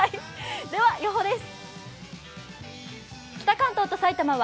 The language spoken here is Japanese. では、予報です。